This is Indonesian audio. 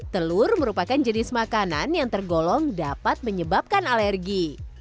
telur merupakan jenis makanan yang tergolong dapat menyebabkan alergi